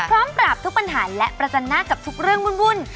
พร้อมปราบทุกปัญหาและประจันหน้ากับทุกเรื่องวุ่น